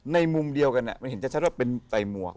ในมุมเดียวกันเนี่ยมันเห็นชัดว่าเป็นไต่หมวก